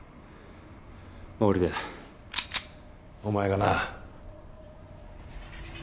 お前がな。